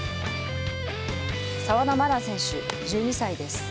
澤田茉奈選手、１２歳です。